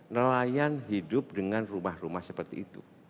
nelayan hidup dengan rumah rumah seperti itu